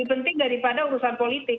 lebih penting daripada urusan politik